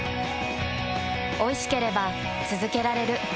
おいしければつづけられる。